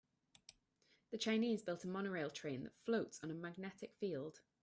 The Chinese built a monorail train that floats on a magnetic field.